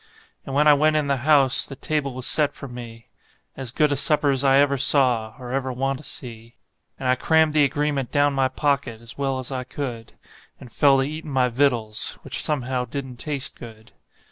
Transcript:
And when I went in the house the table was set for me As good a supper's I ever saw, or ever want to see; And I crammed the agreement down my pocket as well as I could, And fell to eatin' my victuals, which somehow didn't taste good.